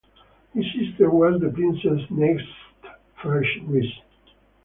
His sister was the Princess Nest ferch Rhys.